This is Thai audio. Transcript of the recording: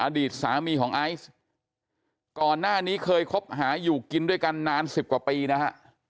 อดีตสามีของไอซ์ก่อนหน้านี้เคยคบหาอยู่กินด้วยกันนาน๑๐กว่าปีนะฮะ